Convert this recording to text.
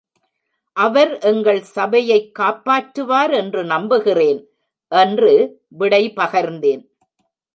அவர் எங்கள் சபையைக் காப்பாற்றுவார் என்று நம்புகிறேன் என்று விடை பகர்ந்தேன்.